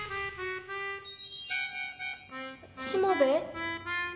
しもべえ？